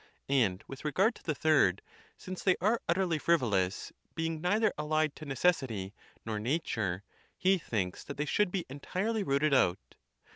And with regard to the third, since they are utterly frivolous, being neither allied to necessity nor nat ure, he thinks that they should be entirely rooted out.